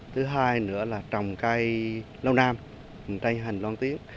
thứ hai nữa là trồng cây lâu nam trang hành lang tiếng